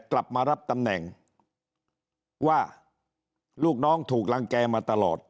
กลับมารับตำแหน่งว่าลูกน้องถูกรังแก่มาตลอด